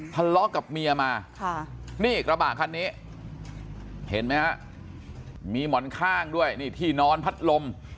ทะเลาะกับเมียมานี่กระบะคันนี้เห็นไหมฮะมีหมอนข้างด้วยนี่ที่นอนพัดลม